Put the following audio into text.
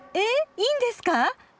いいんですか？